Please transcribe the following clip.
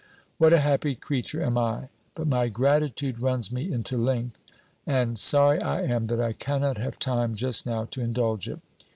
What a happy creature am I! But my gratitude runs me into length; and sorry I am, that I cannot have time just now to indulge it.